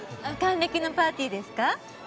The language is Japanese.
還暦のパーティーですか？